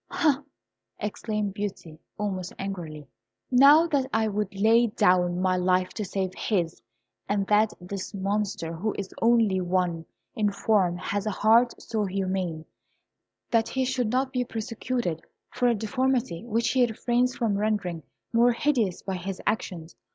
"Ha!" exclaimed Beauty, almost angrily, "know that I would lay down my life to save his, and that this Monster, who is only one in form, has a heart so humane, that he should not be persecuted for a deformity which he refrains from rendering more hideous by his actions.